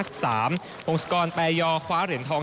พงศกรแปรยอคว้าเหรียญทอง